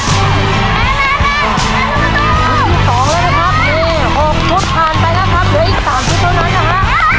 อีกที่สองแล้วนะครับหกชุดผ่านไปแล้วครับ